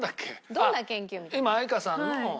どんな研究みたいな。